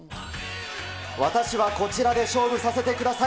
私はこちらで勝負させてください。